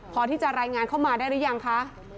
พอที่จะรายงานเข้ามาได้หรือยังคะ